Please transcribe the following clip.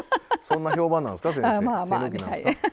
そんな評判なんですか。